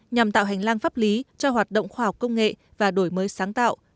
nhằm tạo hành lang pháp lý cho hoạt động khoa học công nghệ và đổi mới sáng tạo